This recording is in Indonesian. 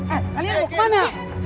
eh kalian mau kemana